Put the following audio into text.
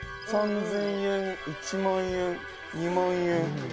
「３０００円１万円２万円」